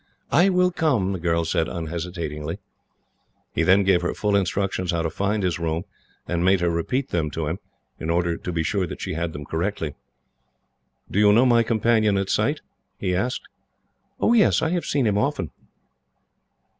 "I will come," the girl said unhesitatingly. He then gave her full instructions how to find his room, and made her repeat them to him, in order to be sure that she had them correctly. "Do you know my companion by sight?" he asked. "Oh, yes. I have seen him often."